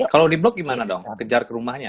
kalau di blok gimana dong kejar ke rumahnya